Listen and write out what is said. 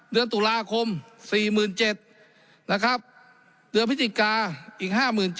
เดือนตุลาคม๔๗๐๐นะครับเดือนพฤศจิกาอีก๕๗๐